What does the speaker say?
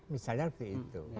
misalnya seperti itu